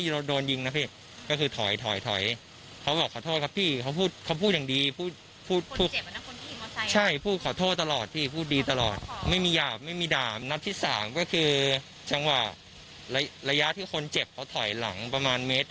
ลงรถมาก็ปี่ใส่เลยที่สักพักนึงก็คนเจ็บก็ถอยตลอด